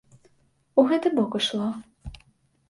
У гэты бок ішло.